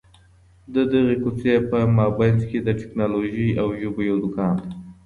د دغي کوڅې په مابينځ کي د ټکنالوژۍ او ژبو یو دکان دی.